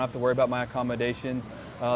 saya tidak perlu khawatir tentang pengumuman saya